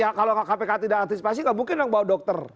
ya kalau kpk tidak antisipasi nggak mungkin yang bawa dokter